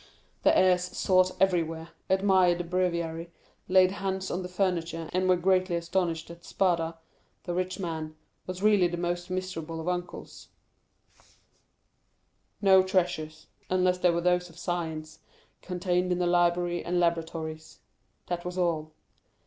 "The heirs sought everywhere, admired the breviary, laid hands on the furniture, and were greatly astonished that Spada, the rich man, was really the most miserable of uncles—no treasures—unless they were those of science, contained in the library and laboratories. That was all.